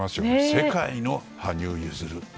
世界の羽生結弦。